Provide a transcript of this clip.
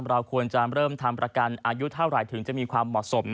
เราควรจะเริ่มทำประกันอายุเท่าไหร่ถึงจะมีความเหมาะสม